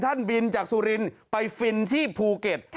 บินจากสุรินทร์ไปฟินที่ภูเก็ต